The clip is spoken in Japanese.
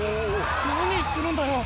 何するんだよ。